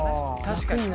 確かに。